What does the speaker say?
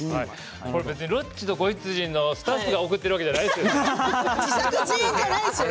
これ別に「ロッチと子羊」のスタッフが送ってるわけじゃないですよね。